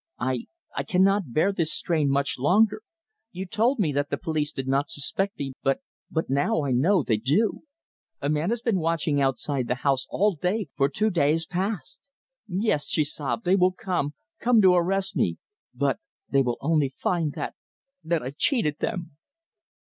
I I cannot bear this strain much longer. You told me that the police did not suspect me, but but, now I know they do. A man has been watching outside the house all day for two days past. Yes," she sobbed, "they will come, come to arrest me, but they will only find that that I've cheated them!"